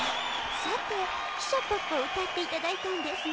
さて「汽車ポッポ」をうたっていただいたんですが。